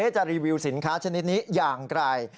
จะรีวิวสินค้าชนิดนี้อย่างไร